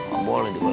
gak boleh di pulang